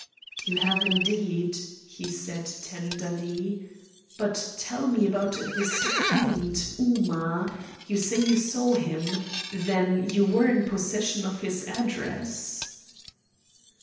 "You have, indeed," he said tenderly. "But tell me about this fiend, Ooma. You say you saw him. Then you were in possession of his address?"